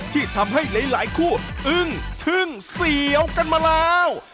ที่ทำให้หลายคู่อึ้งทึ่งเสียวกันมาแล้ว